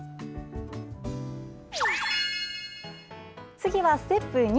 次はステップ２。